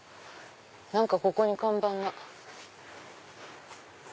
何かここに看板が。